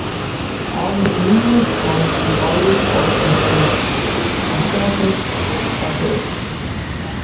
On his numerous coins he always calls himself "Arsaces Pacorus".